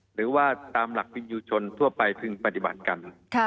หรือว่าตามหลักปิญยูชนทั่วไปซึ่งปฏิบัติกัน